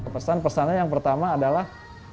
persan persannya yang pertama adalah